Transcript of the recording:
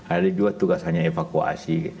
ada juga tugas hanya evakuasi